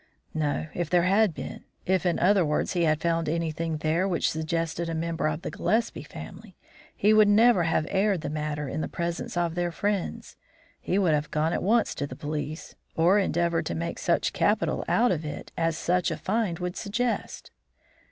"No. If there had been; if, in other words, he had found anything there which suggested a member of the Gillespie family, he would never have aired the matter in the presence of their friends. He would have gone at once to the police, or endeavoured to make such capital out of it as such a find would suggest."